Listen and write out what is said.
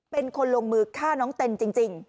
เป็นคนลงมือฆ่าน้องเต็นจริง